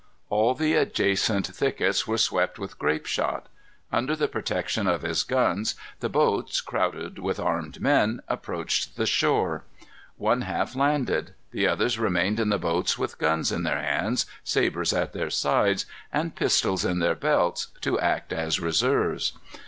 All the adjacent thickets were swept with grape shot. Under the protection of his guns, the boats, crowded with armed men, approached the shore. One half landed. The others remained in the boats with guns in their hands, sabres at their sides, and pistols in their belts, to act as reserves.